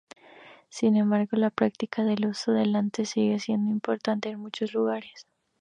Sin embargo, la práctica del uso de delantales sigue siendo importante en muchos lugares.